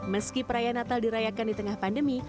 meski perayaan natal dirayakan di tengah pandemi